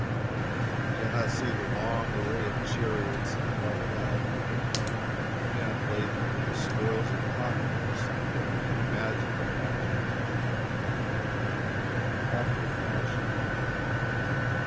We can not see the long array of chariots and mail clad men laden with the spoils of conquest, but we can imagine the pageant, after a fashion.